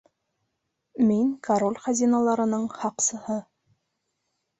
— Мин — король хазиналарының һаҡсыһы.